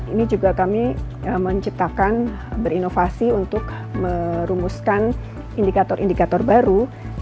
ini juga kami menciptakan berinovasi untuk merumuskan indikator indikator baru